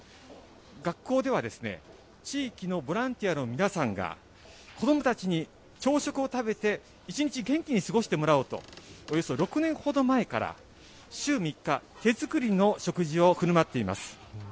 学校では、地域のボランティアの皆さんが子どもたちに朝食を食べて１日元気に過ごしてもらおうと、およそ６年ほど前から、週３日、手作りの食事をふるまっています。